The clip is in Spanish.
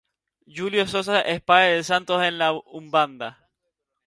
Julio Sosa es Pae de Santos en la umbanda.